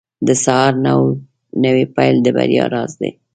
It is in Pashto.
• د سهار نوی پیل د بریا راز دی.